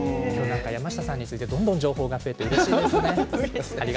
山下さんについてどんどん情報が出てうれしいです。